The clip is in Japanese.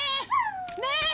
ねえ！